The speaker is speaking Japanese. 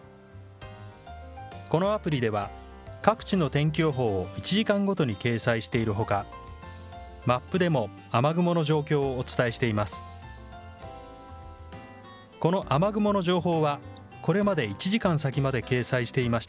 このアプリでは各地の天気予報を１時間ごとに掲載しているほかマップでも雨雲の状況をお伝えしています。